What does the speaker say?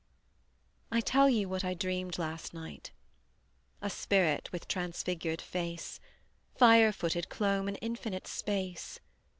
I tell you what I dreamed last night: A spirit with transfigured face Fire footed clomb an infinite space.